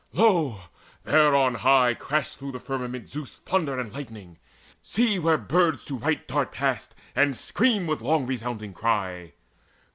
Lo, there on high crash through the firmament Zeus' thunder and lightning! See, where birds to right Dart past, and scream with long resounding cry!